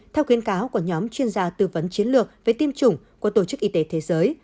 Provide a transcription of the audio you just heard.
theo khuyến cáo của nhóm chuyên gia tư vấn chiến lược về tiêm chủng của tổ chức y tế thế giới